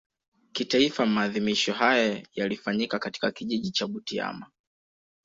Kitaifa maadhimisho haya yalifanyika katika Kijiji cha Butiama